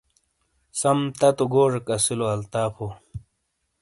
سَم تَتو گوجیک اَسِیلو الطافو۔